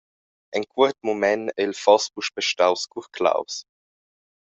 En cuort mument ei il foss puspei staus curclaus.